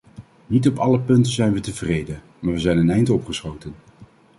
Niet op alle punten zijn we tevreden, maar we zijn een eind opgeschoten.